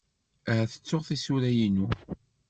Ahat ttuɣ tisura-inu.